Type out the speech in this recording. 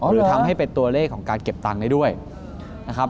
หรือทำให้เป็นตัวเลขของการเก็บตังค์ได้ด้วยนะครับ